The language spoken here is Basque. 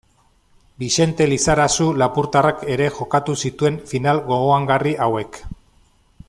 Bixente Lizarazu lapurtarrak ere jokatu zituen final gogoangarri hauek.